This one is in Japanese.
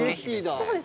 ◆そうです。